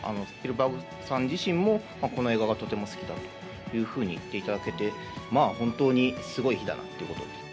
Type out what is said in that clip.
スピルバーグさん自身も、この映画がとても好きだというふうに言っていただけて、まあ、本当にすごい日だなということを。